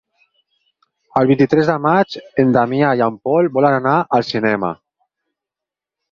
El vint-i-tres de maig en Damià i en Pol volen anar al cinema.